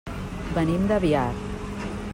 Venim de Biar.